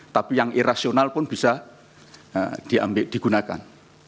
tapi yang irasional pun bisa digunakan